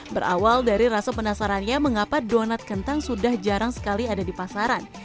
berawal dari rasa penasarannya mengapa donat kentang sudah jarang sekali ada di pasaran